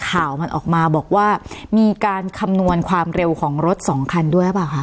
ข่าวมันออกมาบอกว่ามีการคำนวณความเร็วของรถสองคันด้วยหรือเปล่าคะ